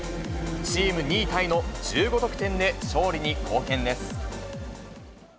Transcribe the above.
チーム２位タイの１５得点で勝利に貢献です。